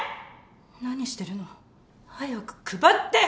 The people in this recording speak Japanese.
何してるの早く配って！